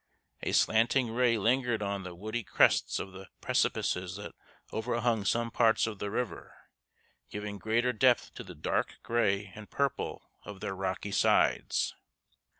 A slanting ray lingered on the woody crests of the precipices that overhung some parts of the river, giving greater depth to the dark gray and purple of their rocky sides.